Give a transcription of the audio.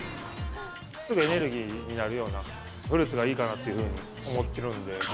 すぐにエネルギーになるようなフルーツがいいかなと思ってるんで。